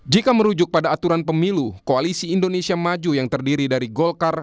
jika merujuk pada aturan pemilu koalisi indonesia maju yang terdiri dari golkar